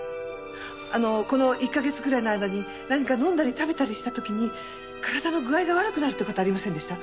あのこの１カ月くらいの間に何か飲んだり食べたりした時に体の具合が悪くなるって事ありませんでした？